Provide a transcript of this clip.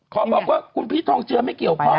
ขอบอกว่าคุณพีชทองเจือไม่เกี่ยวข้อง